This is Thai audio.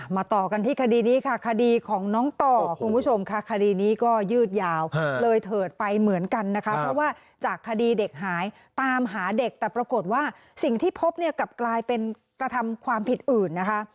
ต่อกันที่คดีนี้ค่ะคดีของน้องต่อคุณผู้ชมค่ะคดีนี้ก็ยืดยาวเลยเถิดไปเหมือนกันนะคะเพราะว่าจากคดีเด็กหายตามหาเด็กแต่ปรากฏว่าสิ่งที่พบเนี่ยกลับกลายเป็นกระทำความผิดอื่นนะคะ